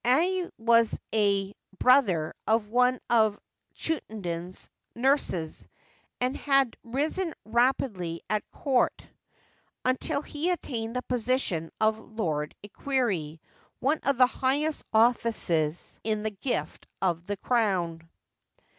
Al was a brother of one of Chuenaten *s nurses, and had risen rap idly at court until he attained the position of Lord Equerry, one of the highest offices in the gift of the crown.